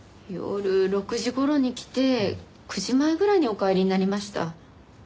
夜６時頃に来て９時前ぐらいにお帰りになりました。